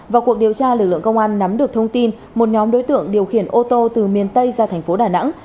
vào cuộc điều tra lực lượng công an nắm được thông tin một nhóm đối tượng điều khiển ô tô từ miền tây ra thành phố đà nẵng